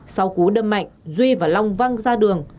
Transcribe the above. sau cú đâm mạnh duy và long văng ra đường